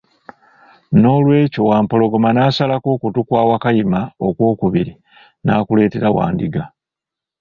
N'olwekyo Wampologoma nasalako okutu kwa Wakayima okw'okubiri n'akuleetera Wandiga.